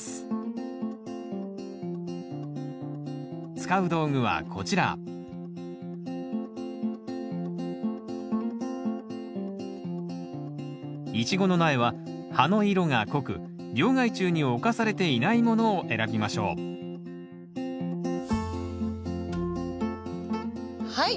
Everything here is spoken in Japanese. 使う道具はこちらイチゴの苗は葉の色が濃く病害虫に侵されていないものを選びましょうはい。